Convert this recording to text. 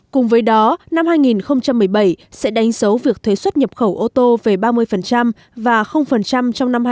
cùng với đó năm hai nghìn một mươi bảy sẽ đánh dấu việc thuế xuất nhập khẩu ô tô về ba mươi và trong năm hai nghìn một mươi